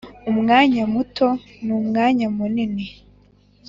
umwanya muto n'umwanya munini